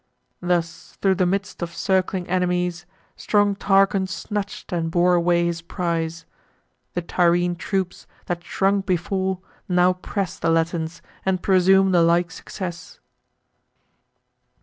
Thus, thro' the midst of circling enemies, Strong Tarchon snatch'd and bore away his prize. The Tyrrhene troops, that shrunk before, now press The Latins, and presume the like success.